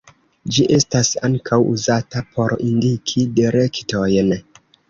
Ĝi estas ankaŭ uzata por indiki direktojn.